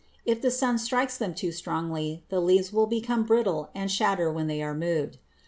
If the sun strikes them too strongly, the leaves will become brittle and shatter when they are moved.